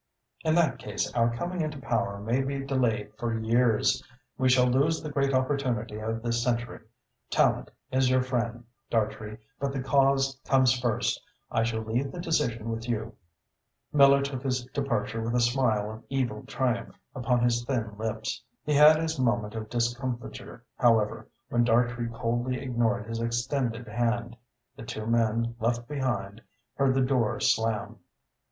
In that case, our coming into power may be delayed for years. We shall lose the great opportunity of this century. Tallente is your friend, Dartrey, but the cause comes first. I shall leave the decision with you." Miller took his departure with a smile of evil triumph upon his thin lips. He had his moment of discomfiture, however, when Dartrey coldly ignored his extended hand. The two men left behind heard the door slam.